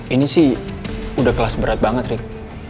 ini sih udah kelas berat banget deh